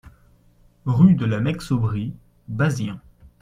Rue de la Meix Aubry, Bazien